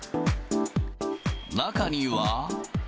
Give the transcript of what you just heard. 中には。